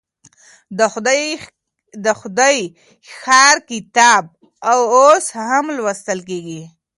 د خدای ښار کتاب اوس هم لوستل کيږي.